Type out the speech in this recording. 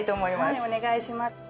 はいお願いします。